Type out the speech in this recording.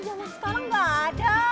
jangan sekarang gak ada